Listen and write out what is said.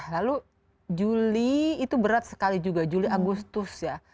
lalu juli itu berat sekali juga juli agustus ya